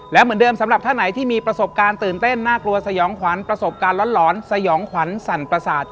และเหมือนเดิมสำหรับท่านไหนที่มีประสบการณ์ตื่นเต้นน่ากลัวสยองขวัญประสบการณ์หลอนสยองขวัญสั่นประสาท